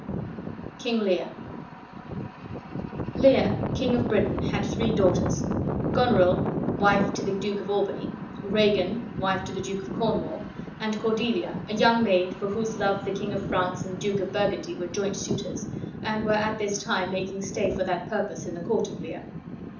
KING LEAR Lear, King of Britain, had three daughters: Goneril, wife to the Duke of Albany; Regan, wife to the Duke of Cornwall; and Cordelia, a young maid, for whose love the King of France and Duke of Burgundy were joint suitors, and were at this time making stay for that purpose in the court of Lear.